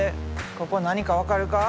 ここ何か分かるか？